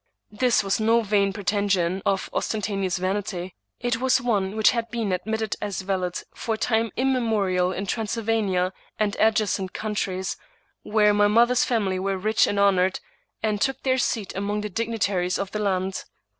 This was no vain pretension of ostentatious vanity. It was one which had been admitted as valid for time immemorial in Transylvania and adjacent countries, where my mother's family were rich and honored, and took their seat among the dignitaries of the land.